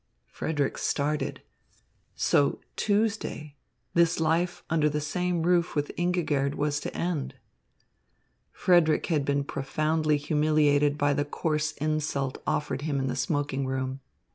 Frederick started. So Tuesday this life under the same roof with Ingigerd was to end. Frederick had been profoundly humiliated by the coarse insult offered him in the smoking room.